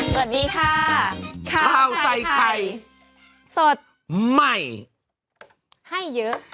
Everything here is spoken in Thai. สวัสดีค่ะข้าวใส่ไข่สดใหม่ให้เยอะ